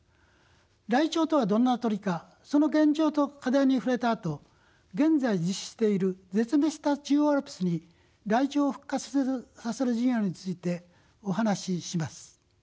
ライチョウとはどんな鳥かその現状と課題に触れたあと現在実施している絶滅した中央アルプスにライチョウを復活させる事業についてお話しします。